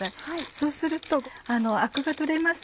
そうするとアクが取れます。